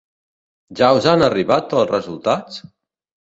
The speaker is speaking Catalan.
Ja us han arribat els resultats?